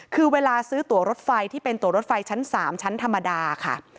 คือเวลาซื้อตัวรถไฟที่เป็นตัวรถไฟชั้น๓ชั้นธรรมดาค่ะ